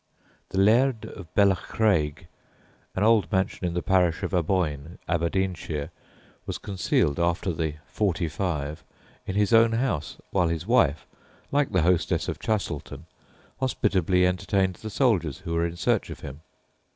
The laird of Belucraig (an old mansion in the parish of Aboyne, Aberdeenshire) was concealed after "the '45" in his own house, while his wife, like the hostess of Chastleton, hospitably entertained the soldiers who were in search of him.